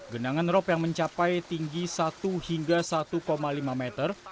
genangan rop yang mencapai tinggi satu hingga satu lima meter